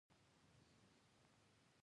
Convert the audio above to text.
د کرنې د پراختیا لپاره نوې څېړنې باید وشي.